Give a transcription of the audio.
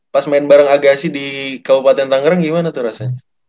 pas main bareng agasi di kabupaten tangerang gimana tuh rasanya